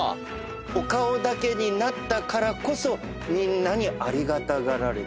お顔だけになったからこそみんなにありがたがられているという。